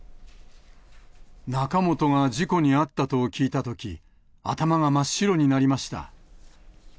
仲本が事故に遭ったと聞いたとき、頭が真っ白になりました。